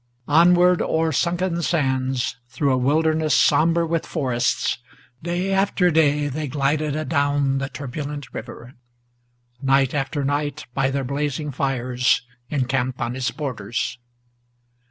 Onward o'er sunken sands, through a wilderness somber with forests, Day after day they glided adown the turbulent river; Night after night, by their blazing fires, encamped on its borders.